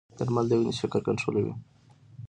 درمل د وینې شکر کنټرولوي.